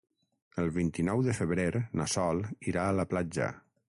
El vint-i-nou de febrer na Sol irà a la platja.